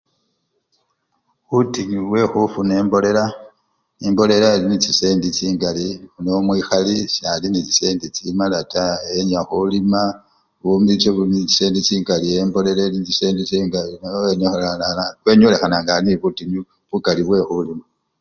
Butinyu bwekhufuna embolela, embolela elinechisendi chingali nomwikhali sali nechisendi chimala taa, enya khulima bumicho buli nechisendi chingali embolela eli nechisendi chingali enyolelala! wenyolekhana nga alinebutinyu bukali bwekhulima.